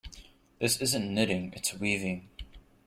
This isn't knitting, its weaving.